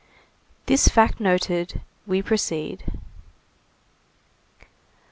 This fact noted, we proceed.